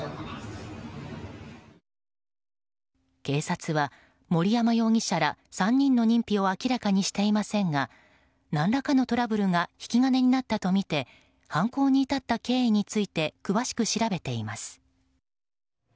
警察は、森山容疑者ら３人の認否を明らかにしていませんが何らかのトラブルが引き金になったとみて犯行に至った経緯について詳しく調べています。